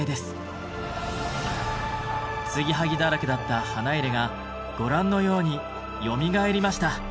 継ぎはぎだらけだった花入がご覧のようによみがえりました。